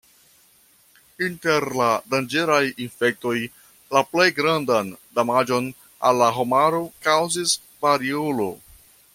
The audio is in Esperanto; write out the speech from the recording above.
Inter la danĝeraj infektoj, la plej grandan damaĝon al la homaro kaŭzis variolo.